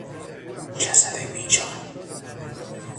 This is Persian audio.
جسد بیجان